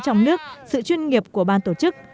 trong nước sự chuyên nghiệp của ban tổ chức